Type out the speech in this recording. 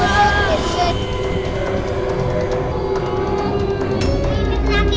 ini sakit kebetul gi